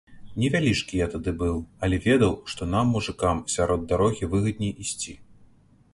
Невялічкі я тады быў, але ведаў, што нам, мужыкам, сярод дарогі выгадней ісці.